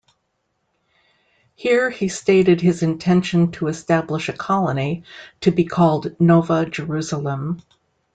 Here he stated his intention to establish a colony, to be called Nova Jerusalem.